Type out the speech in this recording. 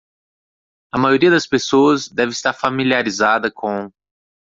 A maioria das pessoas deve estar familiarizada com